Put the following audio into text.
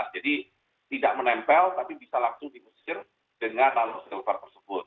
jadi tidak menempel tapi bisa langsung diusir dengan nanofil tersebut